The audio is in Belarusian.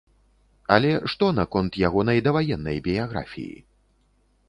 Але што наконт ягонай даваеннай біяграфіі?